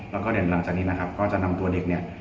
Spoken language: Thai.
แล้วก็เดี๋ยวหลังจากนี้นะครับก็จะนำตัวเด็กเนี่ย